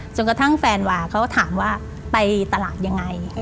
จนกระทั่งแฟนวาเขาก็ถามว่าไปตลาดยังไง